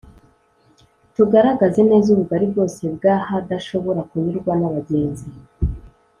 tugaragaze neza ubugari bwose bw ahadashobora kunyurwa n abagenzi